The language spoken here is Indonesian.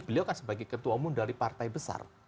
beliau kan sebagai ketua umum dari partai besar